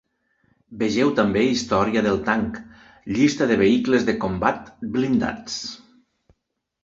Vegeu també Historia del tanc, llista de vehicles de combat blindats.